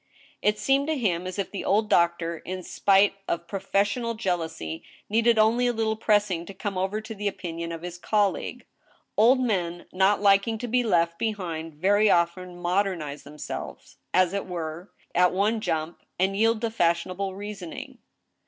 It seemed to him as if the old doctor, in spite of professional jealousy, needed only a little pressing to come over to the opinion ot his colleague. Old men, not liking to be left behind, very often modernize themselves, as it were, at one jump, and yield to fashionable rea soning.